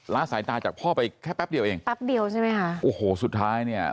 ้าสายตาจากพ่อไปแค่แป๊บเดียวเองแป๊บเดียวใช่ไหมคะโอ้โหสุดท้ายเนี่ย